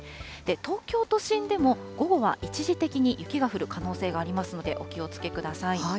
東京都心でも、午後は一時的に雪が降る可能性がありますので、お気をつけください。